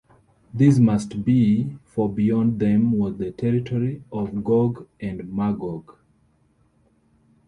This must be, for beyond them was the territory of Gog and Magog.